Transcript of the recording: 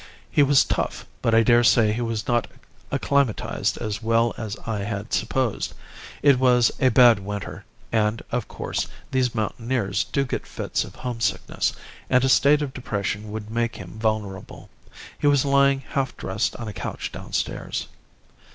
He was tough, but I daresay he was not acclimatised as well as I had supposed. It was a bad winter; and, of course, these mountaineers do get fits of home sickness; and a state of depression would make him vulnerable. He was lying half dressed on a couch downstairs.